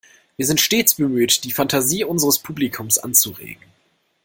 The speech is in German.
Wir sind stets bemüht, die Fantasie unseres Publikums anzuregen.